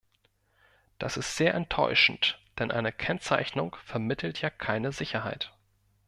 Das ist sehr enttäuschend, denn eine Kennzeichnung vermittelt ja keine Sicherheit.